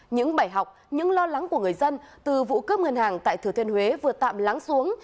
những bài học những lo lắng của người dân từ vụ cướp ngân hàng tại thừa thiên huế vừa tạm lắng xuống